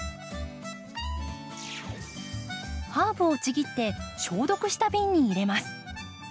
ハーブをちぎって消毒した瓶に入れます。